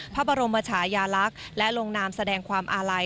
พระบรมชายาลักษณ์และลงนามแสดงความอาลัย